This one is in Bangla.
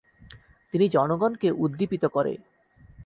তিনি জনগণকে উদ্দীপিত করে।